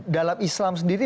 dalam islam sendiri